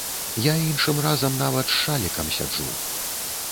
Я іншым разам нават з шалікам сяджу.